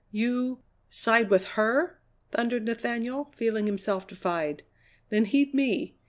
"You side with her?" thundered Nathaniel, feeling himself defied. "Then heed me!